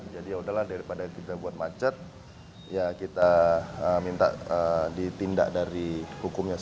jadi yaudahlah daripada kita buat macet ya kita minta ditindak dari hukumnya saja